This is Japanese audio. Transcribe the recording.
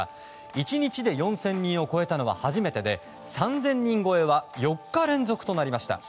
１日で４０００人を超えたのは初めてで３０００人超えは４日連続となりました。